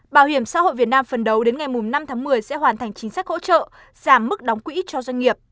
bảo hiểm xã hội việt nam phần đầu đến ngày năm tháng một mươi sẽ hoàn thành chính sách hỗ trợ giảm mức đóng quỹ cho doanh nghiệp